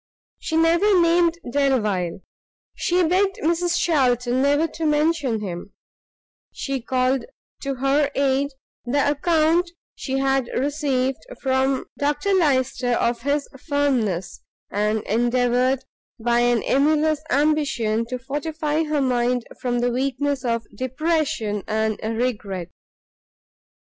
She never named Delvile, she begged Mrs Charlton never to mention him; she called to her aid the account she had received from Dr Lyster of his firmness, and endeavoured, by an emulous ambition, to fortify her mind from the weakness of depression and regret.